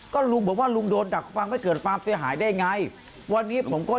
ก็เลยยังไม่ได้เช็ค